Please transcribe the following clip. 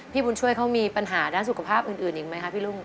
บุญช่วยเขามีปัญหาด้านสุขภาพอื่นอีกไหมคะพี่รุ่ง